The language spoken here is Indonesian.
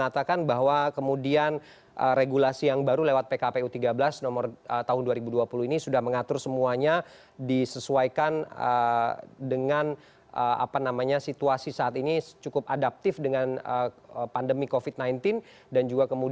terima kasih pak